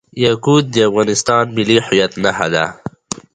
یاقوت د افغانستان د ملي هویت نښه ده.